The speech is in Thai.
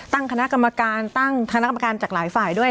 ตั้งคณะกรรมการตั้งคณะกรรมการจากหลายฝ่ายด้วย